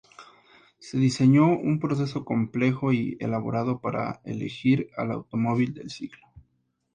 Se diseñó un proceso complejo y elaborado para elegir al "Automóvil del siglo".